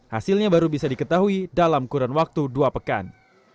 hasilnya baru bisa diketahui dalam kurun waktu dua pekan